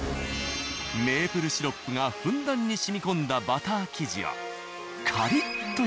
メープルシロップがふんだんに染み込んだバター生地や。